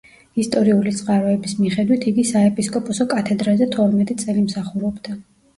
ისტორიული წყაროების მიხედვით იგი საეპისკოპოსო კათედრაზე თორმეტი წელი მსახურობდა.